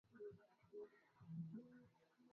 Kulala chini huku shingo imepinda upande mmoja